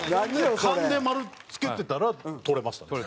勘で丸付けてたら取れましたね。